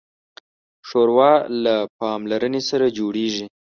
ښوروا له پاملرنې سره جوړیږي.